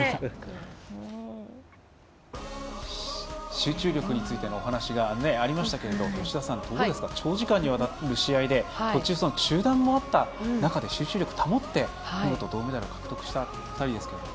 集中力についてのお話がありましたけど吉田さん、どうですか長時間にわたる試合で途中、中断もあった中で集中力を保って、見事銅メダルを獲得した２人ですけれども。